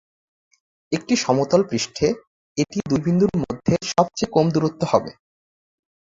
একটি সমতল পৃষ্ঠে এটি দুই বিন্দুর মধ্যে সবচেয়ে কম দূরত্ব হবে।